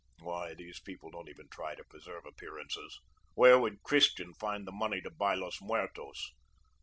Why, those people don't even try to preserve appearances. Where would Christian find the money to buy Los Muertos?